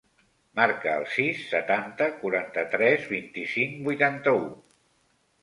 Marca el sis, setanta, quaranta-tres, vint-i-cinc, vuitanta-u.